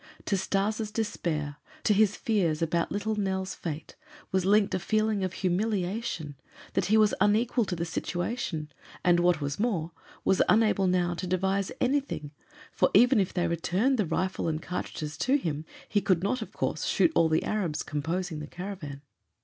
To Stas' despair, to his fears about little Nell's fate, was linked a feeling of humiliation that he was unequal to the situation and, what was more, was unable now to devise anything, for even if they returned the rifle and cartridges to him, he could not, of course, shoot all the Arabs composing the caravan.